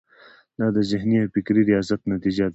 دا د ذهني او فکري ریاضت نتیجه ده.